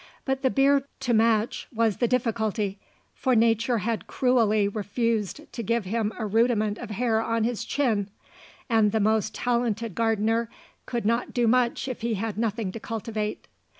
But the beard to match was the difficulty, for nature had cruelly refused to give him a rudiment of hair on his chin, and the most talented gardener could not do much if he had nothing to cultivate.